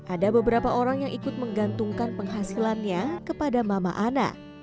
ada beberapa orang yang ikut menggantungkan penghasilannya kepada mama ana